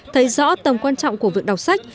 thấy rõ tầm quan trọng của việc đọc sách